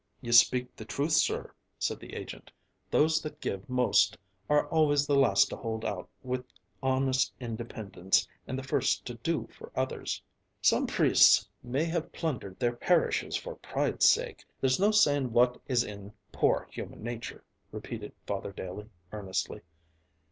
"You speak the truth, sir," said the agent. "Those that give most are always the last to hold out with honest independence and the first to do for others." "Some priests may have plundered their parishes for pride's sake; there's no saying what is in poor human nature," repeated Father Daley earnestly.